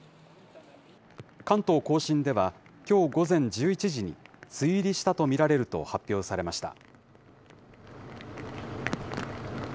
関東甲信では、きょう午前１１時に、梅雨入りしたと見られると発表されました。